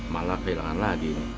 malah kehilangan lagi